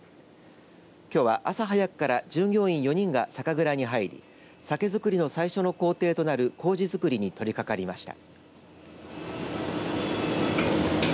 きょうは朝早くから従業員４人が酒蔵に入り酒造りの最初の工程となるこうじづくりに取りかかりました。